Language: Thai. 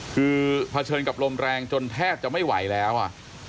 คือเผชิญกับลมแรงจนแทบจะไม่ไหวแล้วอ่ะ